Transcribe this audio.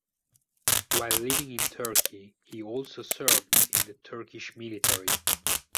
While living in Turkey he also served in the Turkish Military.